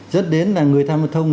dẫn đến là người tham vật thông